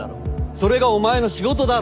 それがお前の仕事だろ。